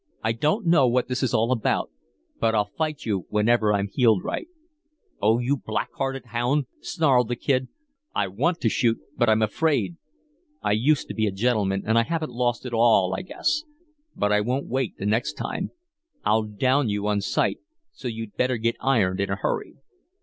I don't know what this is all about, but I'll fight you whenever I'm heeled right." "Oh, you black hearted hound," snarled the Kid. "I want to shoot, but I'm afraid. I used to be a gentleman and I haven't lost it all, I guess. But I won't wait the next time. I'll down you on sight, so you'd better get ironed in a hurry."